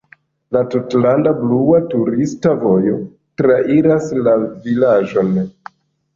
La "Tutlanda "blua" turista vojo" trairas la vilaĝon.